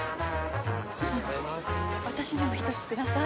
私にも１つください。